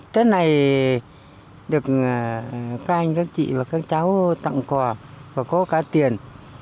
tết này được các anh các chị và các cháu tặng quà và có cả tiền